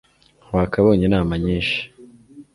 wakabonye inama nyinshi